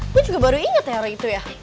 gue juga baru inget ya hari itu ya